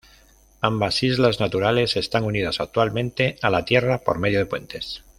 Ambas islas naturales están unidas actualmente a la tierra por medio de puentes.